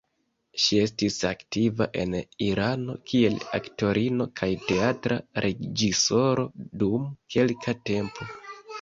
Ŝi estis aktiva en Irano kiel aktorino kaj teatra reĝisoro dum kelka tempo.